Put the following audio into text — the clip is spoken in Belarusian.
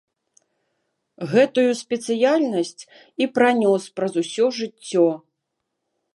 Гэтую спецыяльнасць і пранёс праз усё жыццё.